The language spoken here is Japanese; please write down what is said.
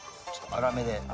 粗めで。